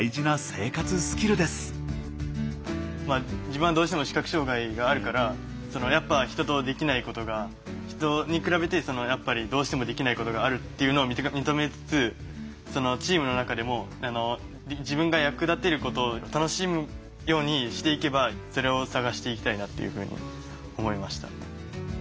自分はどうしても視覚障害があるからやっぱ人とできないことが人に比べてやっぱりどうしてもできないことがあるっていうのを認めつつチームの中でも自分が役立てること楽しむようにしていけばそれを探していきたいなっていうふうに思いました。